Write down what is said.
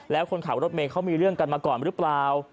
แล้วคนขับรถเมย์เขามีเรื่องกันมาก่อนหรือเปล่า